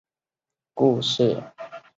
这个故事隶属于他的机器人系列的作品。